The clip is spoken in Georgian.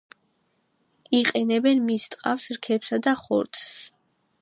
იყენებენ მის ტყავს, რქებსა და ხორცს.